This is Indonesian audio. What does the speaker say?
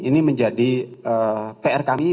ini menjadi pr kami